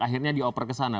akhirnya dioper ke sana